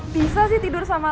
bisa sih tidur sama